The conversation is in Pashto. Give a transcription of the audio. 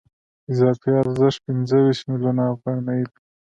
اضافي ارزښت پنځه ویشت میلیونه افغانۍ دی